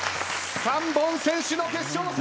３本先取の決勝戦！